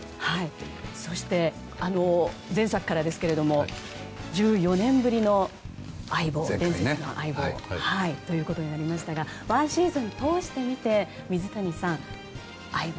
そして、前作から１４年ぶりの伝説の「相棒」となりましたが毎シーズン通してみて水谷さん「相棒」